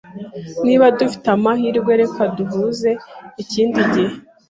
Niba dufite amahirwe, reka duhuze ikindi gihe.